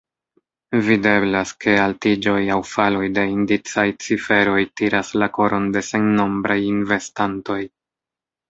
Videblas, ke altiĝoj aŭ faloj de indicaj ciferoj tiras la koron de sennombraj investantoj.